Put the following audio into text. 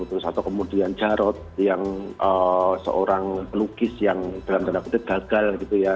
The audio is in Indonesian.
terus atau kemudian jarod yang seorang pelukis yang dalam tanda kutip gagal gitu ya